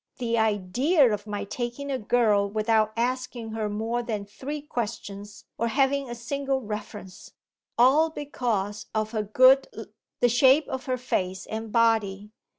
'The idea of my taking a girl without asking her more than three questions, or having a single reference, all because of her good l , the shape of her face and body!